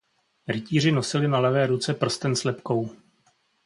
Rytíři nosili na levé ruce prsten s lebkou.